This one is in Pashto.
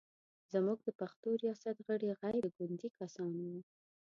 زموږ د پښتو ریاست غړي غیر ګوندي کسان و.